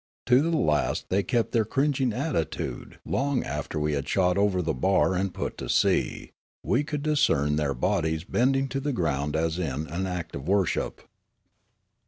To the last they kept their cringing attitude Long after we had shot over the bar and put to sea, we could discern their bodies bending to the ground as in an act of worship.